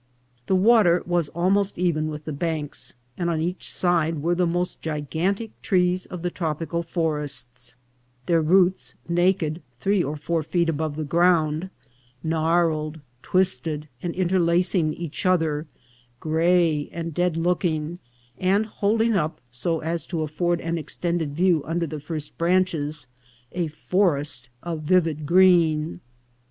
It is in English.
The water was almost even with the banks, and on each side were the most gigantic trees of the tropical forests, their roots naked three or four feet above the ground, gnarled, twisted, and interlacing each other, gray and dead looking, and holding up, so as to afford an extended view under the first branches, a forest of vivid green.